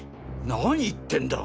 なに言ってんだ？